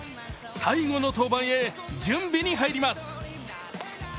最後の登板へ準備に入ります。